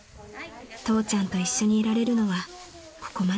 ［父ちゃんと一緒にいられるのはここまで］